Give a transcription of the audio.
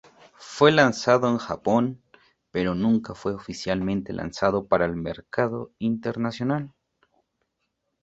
Fue lanzado en Japón, pero nunca fue oficialmente lanzado para el mercado internacional.